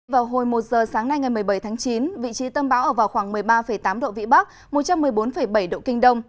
vào hồi một giờ sáng nay ngày một mươi bảy tháng chín vị trí tâm bão ở vào khoảng một mươi ba tám độ vĩ bắc một trăm một mươi bốn bảy độ kinh đông